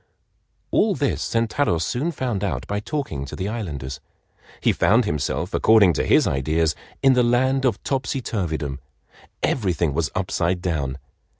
All this Sentaro soon found out by talking to the islanders. He found himself, according to his ideas, in the land of Topsyturvydom. Everything was upside down.